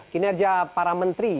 kinerja para menteri